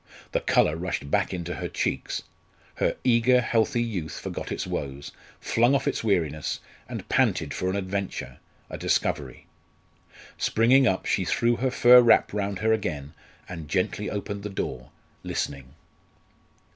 The colour rushed back into her cheeks! Her eager healthy youth forgot its woes, flung off its weariness, and panted for an adventure, a discovery. Springing up, she threw her fur wrap round her again, and gently opened the door, listening.